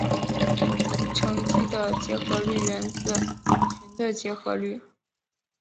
其乘积的结合律源自群的结合律。